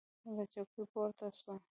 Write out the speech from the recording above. له چوکۍ پورته سو.